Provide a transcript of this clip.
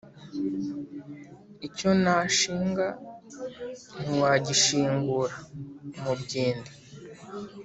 Icyo nashinga ntiwagishingura-Umubyindi.